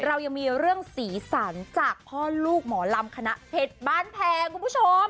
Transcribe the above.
เรายังมีเรื่องสีสันจากพ่อลูกหมอลำคณะเพชรบ้านแพรคุณผู้ชม